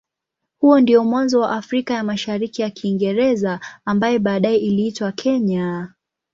Huo ndio mwanzo wa Afrika ya Mashariki ya Kiingereza ambaye baadaye iliitwa Kenya.